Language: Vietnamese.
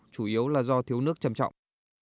chủ yếu là do thiếu nước trầm trọng